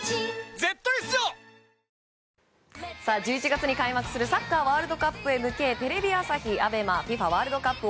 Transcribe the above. １１月に開幕するサッカーワールドカップへ向けテレビ朝日、ＡＢＥＭＡＦＩＦＡワールドカップ